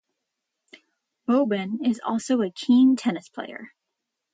Boban is also a keen tennis player.